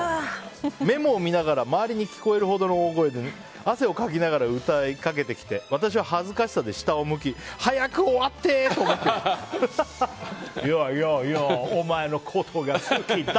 目も見ながら周りに聞こえるほどの声で汗をかきながら歌いかけてきて私は恥ずかしさで下を向き早く終わって！と思っていました。